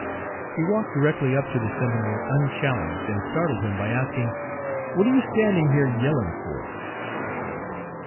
He walked directly up to the sentinel unchallenged, and startled him by asking, "What are you standing here yelling for?"